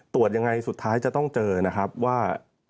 ตรวจยังไงสุดท้ายจะต้องเจอนะครับว่า